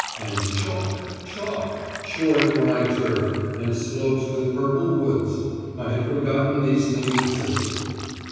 And chalk! chalk! short dry turf, and slopes with purple woods! I had forgotten these things existed.